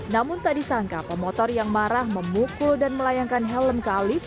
namun tak disangka pemotor yang marah memukul dan melayangkan helm ke alif